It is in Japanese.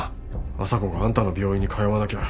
朝子があんたの病院に通わなきゃ。